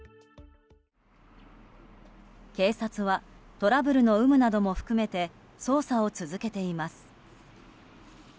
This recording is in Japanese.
警察はトラブルの有無なども含めて捜査を続けています。